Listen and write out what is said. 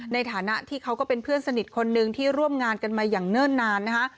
ในฐานะที่เขาก็เป็นเพื่อนสนิทคนนึงที่ร่วมงานกันมาอย่างเนิ่นนานนะคะ